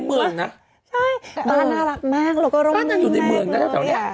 บ้านนั้นอยู่ในเมืองนะเท่านั้น